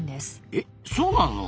えっそうなの？